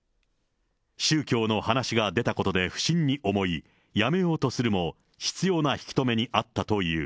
宗教の話が出たことで不審に思い、やめようとするも、執ような引き留めにあったという。